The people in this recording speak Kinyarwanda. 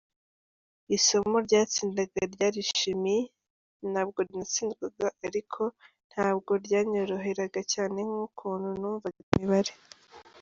Isomo ryantsindaga ryari Chimie, ntabwo natsindwaga ariko ntabwo ryanyoroheraga cyane nk’ukuntu numvaga imibare.